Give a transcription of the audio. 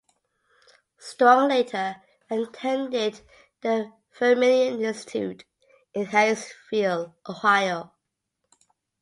Strong later attended the Vermillion Institute in Hayesville, Ohio.